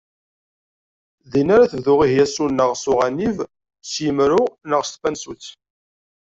Din ara tebdu ihi asuneɣ s uɣanib, s yimru neɣ s tpansut.